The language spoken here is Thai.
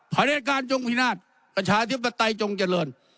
พระเด็จการจงพินาศประชาธิปไตยจงเจริญ